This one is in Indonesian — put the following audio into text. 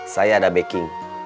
saya ada backing